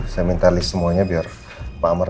saya minta list semuanya biar pak amar